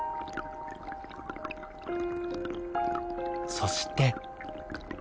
そして。